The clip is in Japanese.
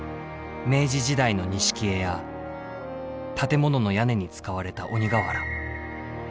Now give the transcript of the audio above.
明治時代の錦絵や建物の屋根に使われた鬼瓦。